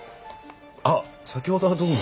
あっ先ほどはどうも。